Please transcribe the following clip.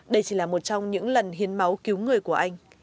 đây chỉ là một trong những lần hiến máu cứu người của anh